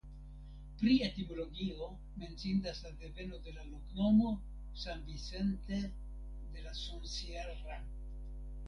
Pri etimologio menciindas la deveno de la loknomo "San Vicente de la Sonsierra".